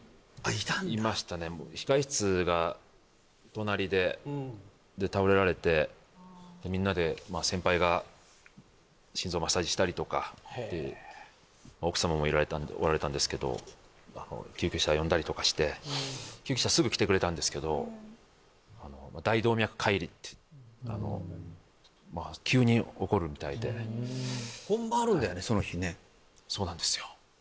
いたんだ控え室が隣で倒れられてみんなで先輩が心臓マッサージしたりとか奥様もおられたんですけど救急車呼んだりとかして救急車すぐ来てくれたんですけどまあ急に起こるみたいでそうなんですよ